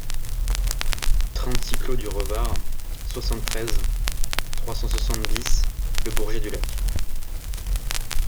trente-six clos du Revard, soixante-treize, trois cent soixante-dix, Le Bourget-du-Lac